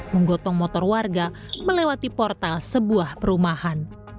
menggotong motor warga melewati portal sebuah perumahan